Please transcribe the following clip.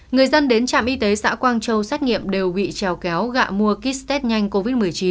người dân đến trạm y tế xã quang châu xét nghiệm đều bị trèo kéo gạ mua kích tết nhanh covid một mươi chín